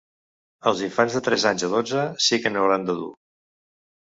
Els infants de tres anys a dotze sí que n’hauran de dur.